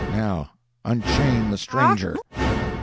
Now unchain the stranger."